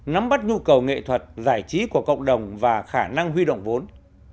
nắm bắt nhu cầu nghệ thuật giải trí của cộng đồng và khả năng huy động vốn